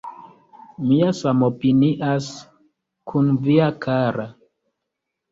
Mia samopinias kun via kara